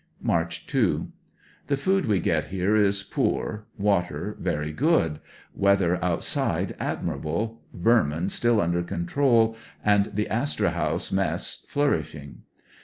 March 2.— The food we get here is poor, water very good, weather outside admirable, vermin still under control and the "Astor House Mess " flourishing.